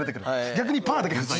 逆にパーだけ不在。